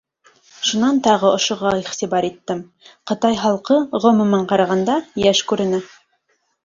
Шунан тағы ошоға иғтибар иттем: ҡытай халҡы, ғөмүмән ҡарағанда, йәш күренә.